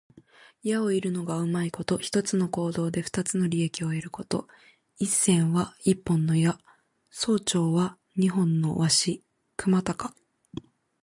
弓を射るのがうまいこと。一つの行動で二つの利益を得ること。「一箭」は一本の矢、「双雕」は二羽の鷲。くまたか。